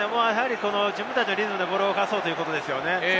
自分たちのリズムでボールを動かそうということですね。